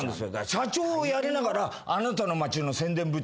社長をやりながらあなたの街の宣伝部長も。